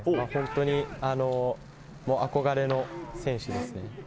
本当に憧れの選手ですね。